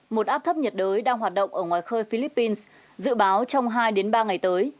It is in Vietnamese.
một áp thấp nhiệt đới đang hoạt động ở ngoài khơi philippines dự báo trong hai ba ngày tới